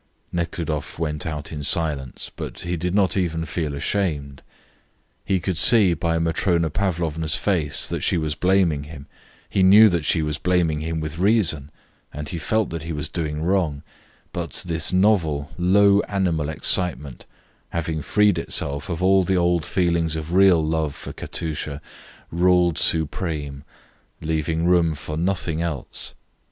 Nekhludoff went out in silence, but he did not even feel ashamed. He could see by Matrona Pavlovna's face that she was blaming him, he knew that she was blaming him with reason and felt that he was doing wrong, but this novel, low animal excitement, having freed itself of all the old feelings of real love for Katusha, ruled supreme, leaving room for nothing else.